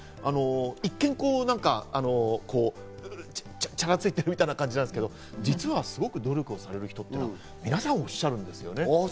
一見チャラついてるみたいな感じですけど、実はすごく努力をされる人と皆さんおっしゃるんですね。